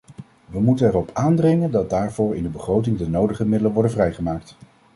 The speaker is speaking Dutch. We moeten erop aandringen dat daarvoor in de begroting de nodige middelen worden vrijgemaakt.